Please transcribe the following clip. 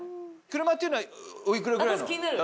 車っていうのはおいくらぐらいの？